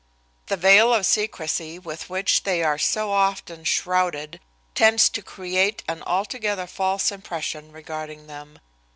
The veil of secrecy with which they are so often shrouded tends to create an altogether false impression regarding them.